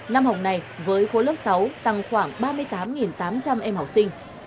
năm học này với khối lớp sáu tăng khoảng ba mươi tám tám trăm linh em học sinh